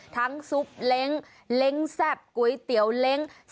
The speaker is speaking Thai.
ซุปเล้งเล้งแซ่บก๋วยเตี๋ยวเล้ง